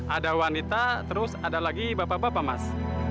ada wanita terus ada lagi bapak bapak mas